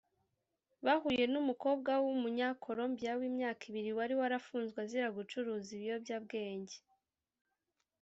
bahuye n umukobwa w Umunyakolombiya w imyaka ibiri wari warafunzwe azira gucuruza ibiyobyabwenge